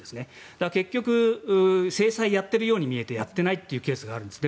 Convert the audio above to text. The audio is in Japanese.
だから、結局制裁をやっているように見えてやっていないというケースがあるんです。